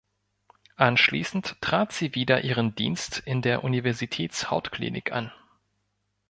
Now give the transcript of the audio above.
Anschließend trat sie wieder ihren Dienst in der Universitätshautklinik an.